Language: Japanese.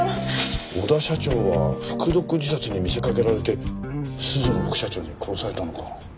小田社長は服毒自殺に見せかけられて涼乃副社長に殺されたのか？